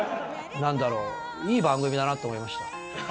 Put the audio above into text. なんだろう、いい番組だなと思いました。